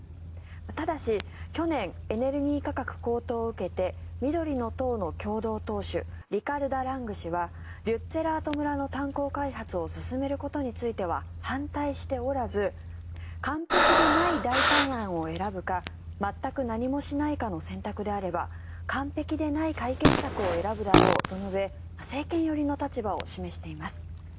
ただし、去年エネルギー価格高騰を受けて緑の党の共同党首リカルダ・ラング氏はリュッツェラート村の炭鉱開発を進めることについては反対しておらず完璧でない代替案を選ぶか全く何もしないかの選択であれば完璧でない解決策を選ぶだろうと述べ政権寄りの立場を示しています。